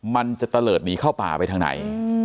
มันจะตะเลิศหนีเข้าป่าไปทางไหน